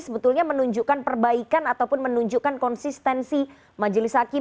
sebetulnya menunjukkan perbaikan ataupun menunjukkan konsistensi majelis hakim